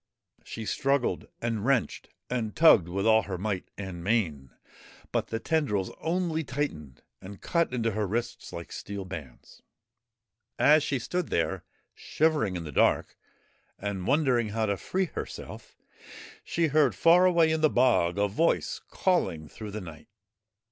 She struggled and wrenched and tugged with all her might and main, but the tendrils only tightened and cut into her wrists like steel bands. As she stood there shivering in the dark and wondering how to free herself, she heard far away in the bog a voice calling through the night.